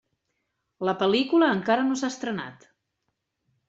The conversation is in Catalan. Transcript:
La pel·lícula encara no s'ha estrenat.